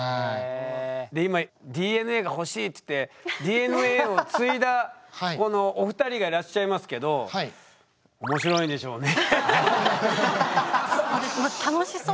で今ＤＮＡが欲しいって言ってＤＮＡを継いだこのお二人がいらっしゃいますけどそうですね。